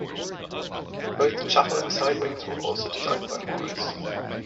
Both chapel and side wings were also designed by Morris.